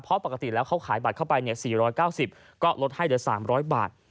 เพราะปกติแล้วเขาขายบัตรเข้าไป๔๙๐ก็ลดให้เหลือ๓๐๐บาท